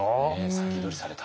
先取りされた。